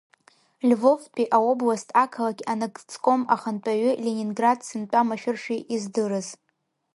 Львовтәи аобласт ақалақь анагӡком ахантәаҩы, Ленинград сынтәа машәыршәа издырыз.